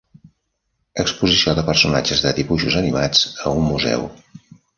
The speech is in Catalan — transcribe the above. Exposició de personatges de dibuixos animats a un museu.